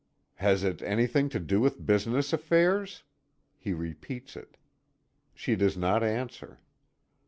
"Has it anything to do with business affairs?" He repeats it. She does not answer.